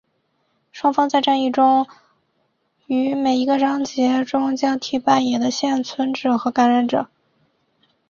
双方在战役中于每一个章节中交替扮演幸存者和感染者。